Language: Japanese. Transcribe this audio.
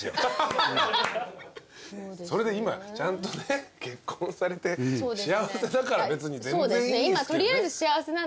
それで今ちゃんとね結婚されて幸せだから別に全然いいですけどね。